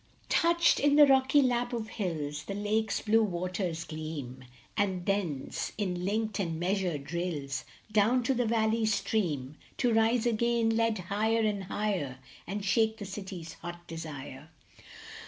OUCHED in the rocky lap of hills, The lake s blue waters gleam, And thence in linked and measured rills Down to the valley stream, To rise again, led higher and higher, And slake the city s hot desire.